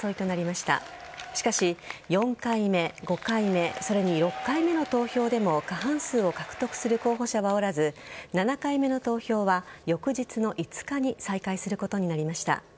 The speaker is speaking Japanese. しかし４回目、５回目それに６回目の投票でも過半数を獲得する候補者はおらず７回目の投票は翌日の５日に再開することになりました。